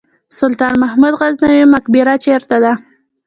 سلطان محمود غزنوي مقبره چیرته ده؟